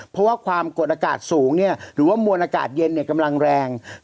เพราะว่าความกดอากาศสูงหรือว่ามวลอากาศเย็นกำลังแรง